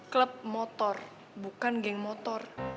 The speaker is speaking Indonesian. klub motor bukan geng motor